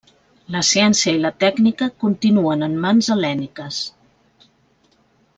La ciència i la tècnica continuen en mans hel·lèniques.